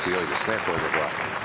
こういうところは。